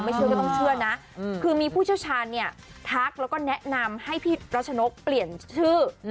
เชื่อก็ต้องเชื่อนะคือมีผู้เชี่ยวชาญเนี่ยทักแล้วก็แนะนำให้พี่รัชนกเปลี่ยนชื่อ